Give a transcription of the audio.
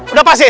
udah pas sih